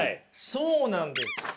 そうなんです。